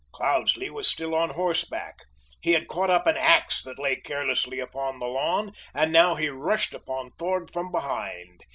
Cloudesley was still on horseback he had caught up an ax that lay carelessly upon the lawn, and now he rushed upon Thorg from behind.